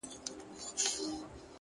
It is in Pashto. صبر د وخت له سیند سره سفر دی!.